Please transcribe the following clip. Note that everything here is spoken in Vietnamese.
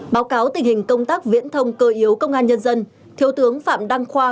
báo cáo tình hình công tác viễn thông cơ yếu công an nhân dân thiếu tướng phạm đăng khoa